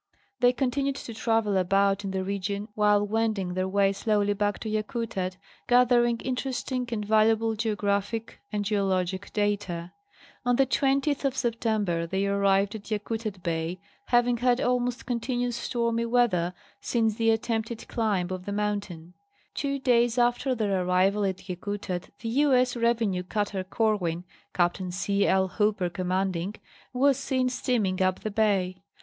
They continued to travel about in the region, while wending their way slowly back to Yakutat, gathering inter esting and valuable geographic and geologic data. On the 20th of September they arrived at Yakutat Bay, having had almost continuous stormy weather since the attempted climb of the mountain. 'T'wo days after their arrival at Yakutat the U. S. Revenue Cutter Corwin, Capt. C. L. Hooper commanding, was seen steaming up the bay.